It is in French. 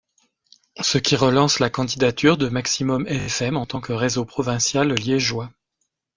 Ce qui relance la candidature de Maximum fm en tant que réseau provincial liégeois.